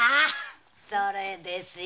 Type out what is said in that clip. それですよ